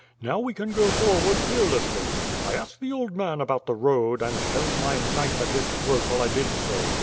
Now we can go forward fearlessly. I asked the old man about the road and held my knife at his throat while I did so.